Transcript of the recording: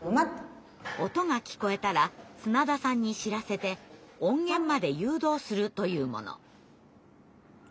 音が聞こえたら砂田さんに知らせて音源まで誘導するというもの。